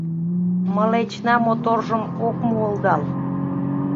Мылечна моторжым ок муылдал.